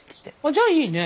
じゃあいいね。